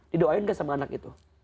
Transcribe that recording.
didoain gak sama anak itu